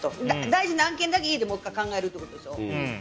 大事な案件だけ、家でもう１回考えるということでしょ。